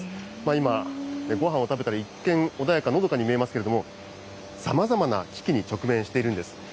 今、ごはんを食べたら、一転、穏やか、のどかに見えますけれども、さまざまな危機に直面しているんです。